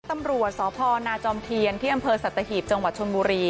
ตำรวจสพนาจอมเทียนที่อำเภอสัตหีบจังหวัดชนบุรี